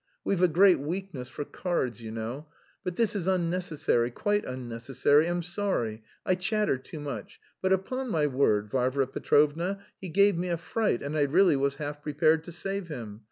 We've a great weakness for cards, you know.... But this is unnecessary, quite unnecessary, I'm sorry, I chatter too much. But upon my word, Varvara Petrovna, he gave me a fright, and I really was half prepared to save him.